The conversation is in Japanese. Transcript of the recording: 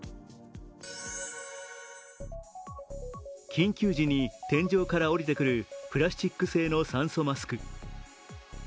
緊急時に天井から下りてくるプラスチック製の酸素マスク。